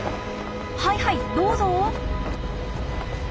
はいはいどうぞ。